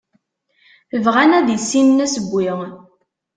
Bɣan ad issinen asewwi.